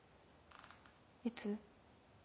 いつ？